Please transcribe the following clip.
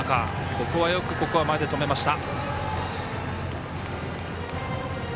ここはよく前で止めました。